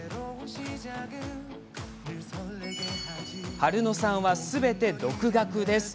春乃さんはすべて独学です。